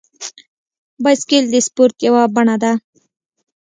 بایسکل د سپورت یوه بڼه ده.